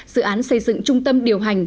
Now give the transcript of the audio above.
dự án xây dựng trung tâm điều hành